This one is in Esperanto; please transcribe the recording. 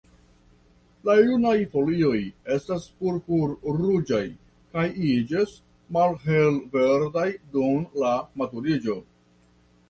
La junaj folioj estas purpur-ruĝaj, kaj iĝas malhelverdaj dum la maturiĝo.